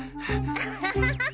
アハハハハ！